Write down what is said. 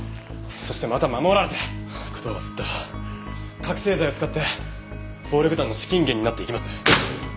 そしてまた守られて工藤はずっと覚せい剤を使って暴力団の資金源になっていきます。